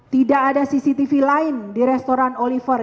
tidak ada cctv lain di restoran oliver